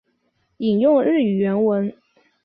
引用日语原文